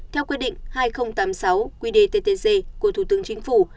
theo quyết định hai nghìn tám mươi sáu quy đề ttc của thủ tướng chính phủ